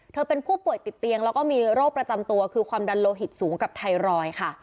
เป็นผู้ป่วยติดเตียงแล้วก็มีโรคประจำตัวคือความดันโลหิตสูงกับไทรอยด์ค่ะ